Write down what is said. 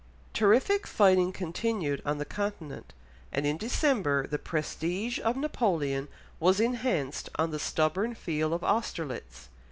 Terrific fighting continued on the Continent, and in December the prestige of Napoleon was enhanced on the stubborn field of Austerlitz.